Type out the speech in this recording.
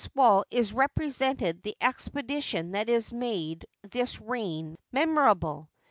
73 wall is represented the expedition that made this reign memorable.